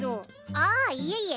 あーいえいえ。